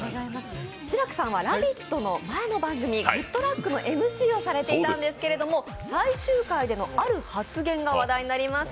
志らくさんは「ラヴィット！」の前の番組「グッとラック！」のＭＣをされていたんですけれども、最終回でのある発言が話題になりました。